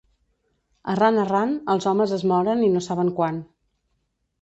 Errant, errant, els homes es moren i no saben quan.